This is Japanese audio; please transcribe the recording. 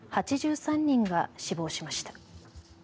８３人が死亡しました。